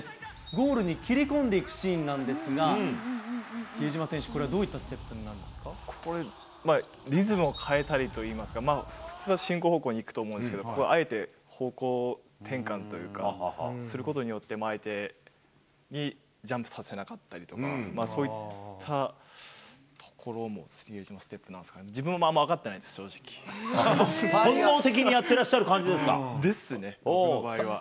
ゴールに切り込んでいくシーンなんですが、比江島選手、これはどここでリズムを変えたりといいますか、普通は進行方向に行くと思うんですけど、これはあえて方向転換というか、することによって相手にジャンプさせなかったりとか、そういったところも比江島ステップなんですかね、自分もあんまり本能的にやってらっしゃる感ですね、僕の場合は。